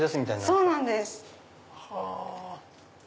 そうなんです。